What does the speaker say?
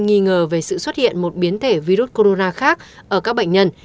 nghi ngờ về sự xuất hiện một biến thể virus corona khác ở các bệnh nhân